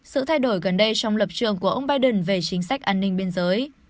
sự thay đổi gần đây trong lập trường của ông biden về chính sách an ninh biên giới